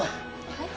はい？